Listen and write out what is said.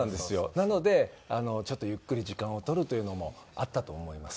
なのでちょっとゆっくり時間をとるというのもあったと思います。